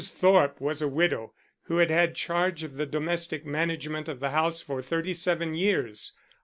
Thorpe was a widow who had had charge of the domestic management of the house for thirty seven years.